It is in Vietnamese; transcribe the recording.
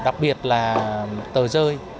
đặc biệt là tờ rơi